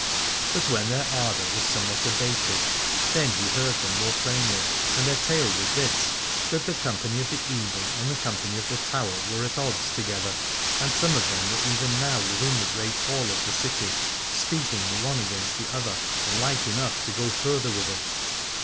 But when their ardour was somewhat abated, then he heard them more plainly: and their tale was this, that the Company of the Eagle and the Company of the Tower were at odds together, and some of them were even now within the Great Hall of the city speaking the one against the other, and like enough to go further with it.